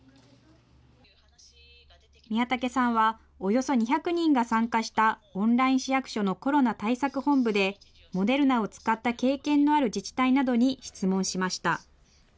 宮武さんは、およそ２００人が参加した、オンライン市役所のコロナ対策本部で、モデルナを使った経験のある自治体などに質問しました。